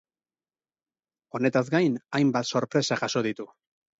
Honetaz gain, hainbat sorpresa jaso ditu.